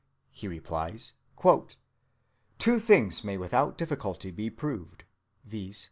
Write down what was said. He replies: "Two things may without difficulty be proved, viz.